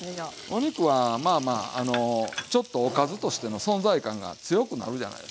お肉はまあまあちょっとおかずとしての存在感が強くなるじゃないですか。